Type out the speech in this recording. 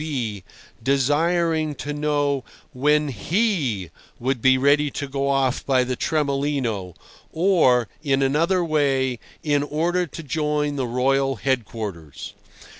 K. B., desiring to know when he would be ready to go off by the Tremolino, or in any other way, in order to join the royal headquarters.